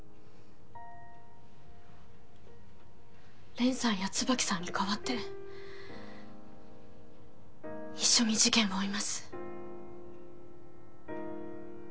蓮さんや椿さんに代わって一緒に事件を追います。